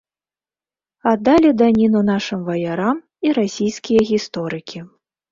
Аддалі даніну нашым ваярам і расійскія гісторыкі.